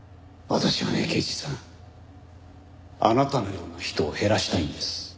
私はね刑事さんあなたのような人を減らしたいんです。